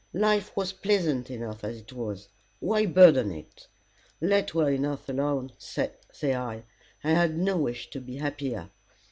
Life was pleasant enough as it was. Why burden it? Let well enough alone, say I. I had no wish to be happier.